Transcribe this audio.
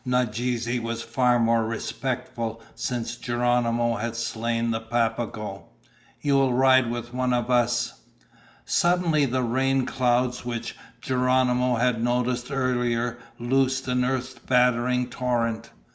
Nadeze was far more respectful since Geronimo had slain the Papago. "You will ride with one of us." Suddenly the rain clouds which Geronimo had noticed earlier loosed an earth battering torrent.